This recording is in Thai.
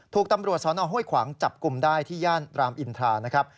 ถูกตำรวจสนห้วยขวางจับกลุ่มได้ที่ย่านรามอินทรานะครับ